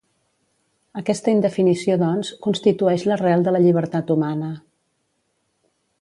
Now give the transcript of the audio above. Aquesta indefinició, doncs, constitueix l'arrel de la llibertat humana.